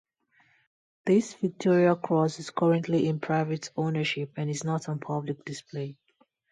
This Victoria Cross is currently in private ownership and is not on public display.